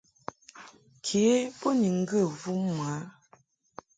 Ke bo ni ŋgə vum mɨ a.